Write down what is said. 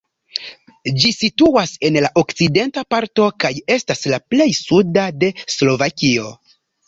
Ĝi situas en la okcidenta parto kaj estas la plej suda de Slovakio.